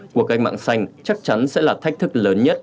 cuộc gây mạng xanh chắc chắn sẽ là thách thức lớn nhất